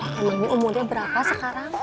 makanannya umurnya berapa sekarang